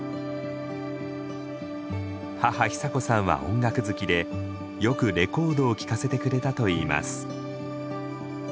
母久子さんは音楽好きでよくレコードを聴かせてくれたといいます。